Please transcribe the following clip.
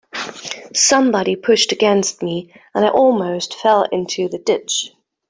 Somebody pushed against me, and I almost fell into the ditch.